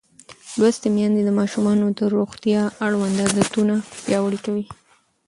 لوستې میندې د ماشومانو د روغتیا اړوند عادتونه پیاوړي کوي.